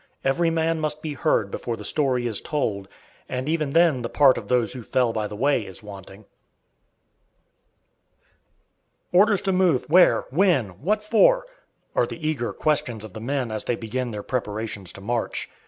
Every man must be heard before the story is told, and even then the part of those who fell by the way is wanting. Orders to move! Where? when? what for? are the eager questions of the men as they begin their preparations to march.